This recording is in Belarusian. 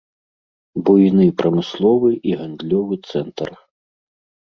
Буйны прамысловы і гандлёвы цэнтр.